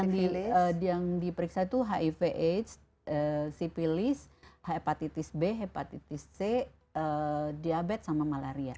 yang diperiksa itu hiv aids sipilis hepatitis b hepatitis c diabetes sama malaria